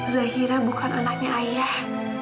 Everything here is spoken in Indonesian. zahira bukan anaknya ayah